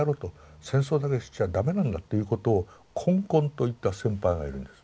戦争だけしちゃ駄目なんだということを懇々と言った先輩がいるんです。